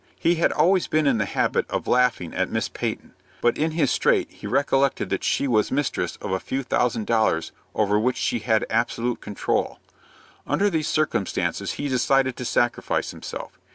He had always been in the habit of laughing at Miss Peyton; but in his strait he recollected that she was mistress of a few thousand dollars over which she had absolute control. Under these circumstances he decided to sacrifice himself.